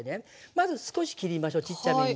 まず少し切りましょうちっちゃめに。